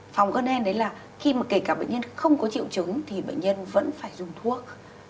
phòng cơn em đấy là khi mà kể cả bệnh nhân không có triệu chứng thì bệnh nhân vẫn phải dùng thuốc